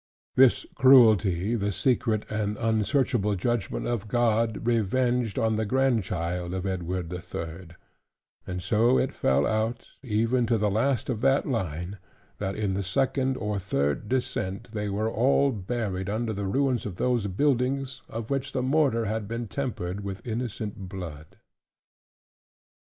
This cruelty the secret and unsearchable judgment of God revenged on the grandchild of Edward the Third: and so it fell out, even to the last of that line, that in the second or third descent they were all buried under the ruins of those buildings, of which the mortar had been tempered with innocent blood.